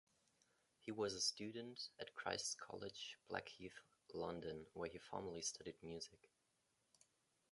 He was a student at Christ's College, Blackheath, London where he formally studied music.